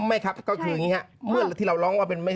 ไม่ครับก็คืออย่างนี้ครับเมื่อที่เราร้องว่าเป็นไม่